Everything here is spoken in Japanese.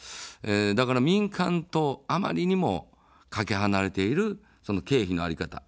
だから民間とあまりにもかけ離れている経費の在り方。